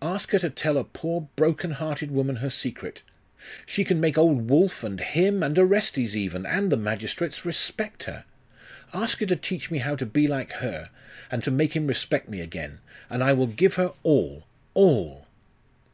Ask her to tell a poor broken hearted woman her secret. She can make old Wulf, and him, and Orestes even, and the magistrates, respect her.... Ask her to teach me how to be like her, and to make him respect me again, and I will give her all all!